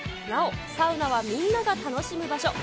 なお、サウナはみんなが楽しむ場所。